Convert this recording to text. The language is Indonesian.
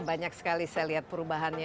banyak sekali saya lihat perubahannya